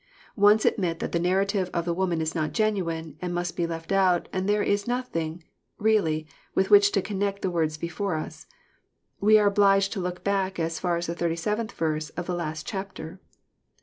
Once admit that the narrative of the woman is not genuine and must be left out, and there is really nothing with which to connect the words before us. We are obliged to look back as far as the d7th verse of the last chapter.